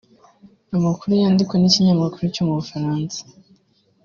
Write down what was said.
Amakuru yandikwa n’ikinyamakuru cyo mu Bufaransa